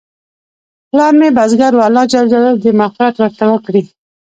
پلار مې بزګر و، الله ج دې مغفرت ورته وکړي